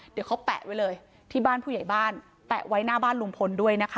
เดี๋ยวเขาแปะไว้เลยที่บ้านผู้ใหญ่บ้านแปะไว้หน้าบ้านลุงพลด้วยนะคะ